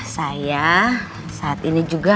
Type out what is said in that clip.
saya saat ini juga